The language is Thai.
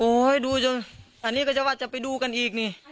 ให้ดูจนอันนี้ก็จะว่าจะไปดูกันอีกนี่